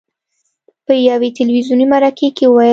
په یوې تلویزوني مرکې کې وویل: